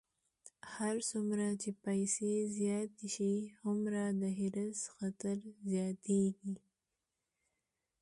هر څومره چې پیسې زیاتې شي، هومره د حرص خطر زیاتېږي.